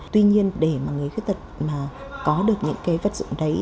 tuy nhiên để mà người khuyết tật mà có được những cái vật dụng đấy